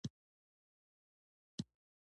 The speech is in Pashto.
په یاد ولایت کې له هیچا سره نه پېژندم.